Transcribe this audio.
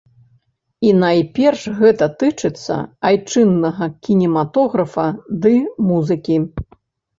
І найперш гэта тычыцца айчыннага кінематографа ды музыкі.